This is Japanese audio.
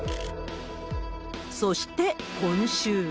そして今週。